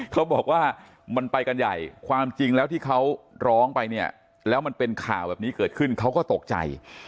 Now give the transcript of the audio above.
เขาบอกว่ามันไปกันใหญ่ความจริงแล้วที่เขาร้องไปเนี่ยแล้วมันเป็นข่าวแบบนี้เกิดขึ้นเขาก็ตกใจ